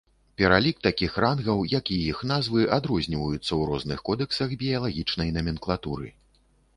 Пералік такіх рангаў, як і іх назвы, адрозніваюцца ў розных кодэксах біялагічнай наменклатуры.